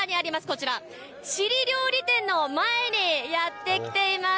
こちら、チリ料理店の前にやって来ています。